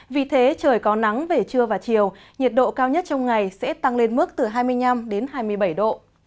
vì thế trời có nắng về trưa và chiều nhiệt độ cao nhất trong ngày sẽ tăng lên mức từ hai mươi năm đến hai mươi bảy độ